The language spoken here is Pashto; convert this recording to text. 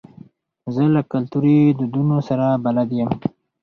زه له کلتوري دودونو سره بلد یم.